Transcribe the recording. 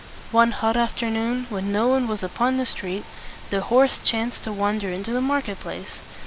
One hot afternoon, when no one was upon the street, the horse chanced to wander into the market place.